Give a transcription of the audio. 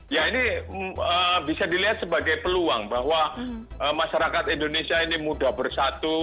ya ini bisa dilihat sebagai peluang bahwa masyarakat indonesia ini mudah bersatu